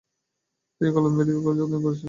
তিনি কলকাতা মেডিক্যাল কলেজে অধ্যয়ন করেছিলেন।